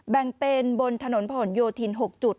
แบ่งเป็นบนถนนผนโยธิน๖จุด